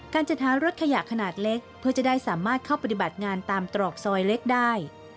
จัดหารถขยะขนาดเล็กเพื่อจะได้สามารถเข้าปฏิบัติงานตามตรอกซอยเล็กได้